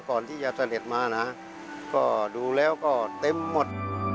ก่อนที่จะเสด็จมานะก็ดูแล้วก็เต็มหมด